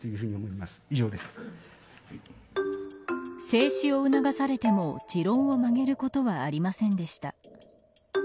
静止を促されても持論を曲げることはありませんでした。